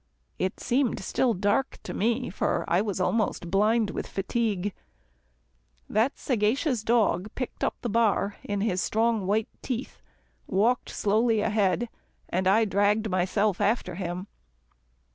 It seemed still dark to me, for I was almost blind from fatigue. That sagacious dog picked up the bar in his strong, white teeth, walked slowly ahead, and I dragged myself after him.